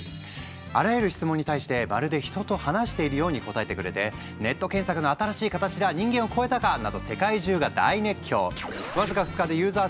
あらゆる質問に対してまるで人と話しているように答えてくれて「ネット検索の新しい形だ」「人間を超えたか？」など世界中が大熱狂！